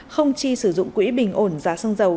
không chi sử dụng quỹ bình ổn giá xăng dầu